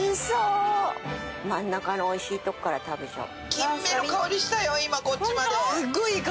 真ん中の美味しいとこから食べちゃおう。